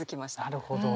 なるほど。